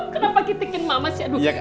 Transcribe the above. kenapa ketikin mama sih